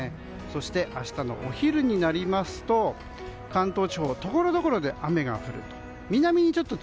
そして明日のお昼になりますと関東地方ところどころで雨が降ると。